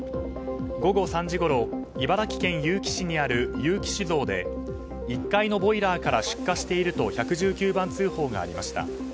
午後３時ごろ茨城県結城市にある結城酒造で１階のボイラーから出火していると１１９番通報がありました。